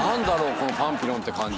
このパンピロンって感じ。